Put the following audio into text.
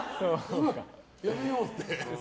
やめようって。